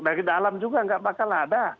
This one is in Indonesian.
dari dalam juga tidak akan ada